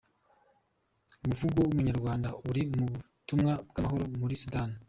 Umuvugo w’Umunyarwanda uri mu butumwa bw’amahoro muri Sudani.